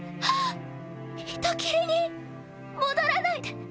人斬りに戻らないで。